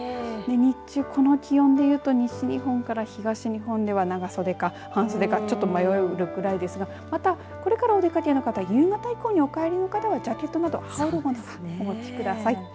日中この気温で言うと西日本から東日本では長袖か半袖かちょっと迷うくらいですがこれからお出かけの方夕方以降にお帰りの方はジャケットなど羽織るものをお持ちください。